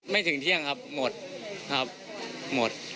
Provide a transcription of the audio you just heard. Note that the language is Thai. ถึงเที่ยงครับหมดครับหมด